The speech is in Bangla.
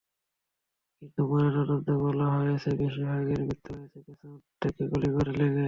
কিন্তু ময়নাতদন্তে বলা হয়েছে, বেশির ভাগের মৃত্যু হয়েছে পেছন থেকে গুলি লেগে।